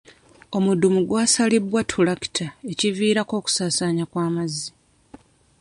Omudumu gwasalibwa ttulakita ekiviirako okusaasaana kw'amazzi.